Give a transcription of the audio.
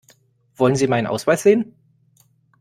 Wollen Sie meinen Ausweis sehen?